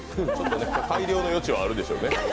改良の余地はあるでしょうね。